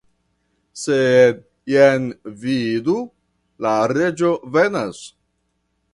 Sed, jen vidu ? la reĝo venas.